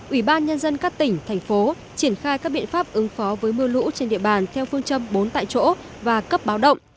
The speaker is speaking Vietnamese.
ủy ban nhân dân các tỉnh thành phố triển khai các biện pháp ứng phó với mưa lũ trên địa bàn theo phương châm bốn tại chỗ và cấp báo động